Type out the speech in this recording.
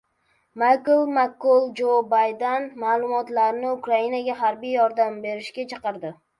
Maykl Makkol Jo Bayden ma’muriyatini Ukrainaga harbiy yordam berishga chaqirdi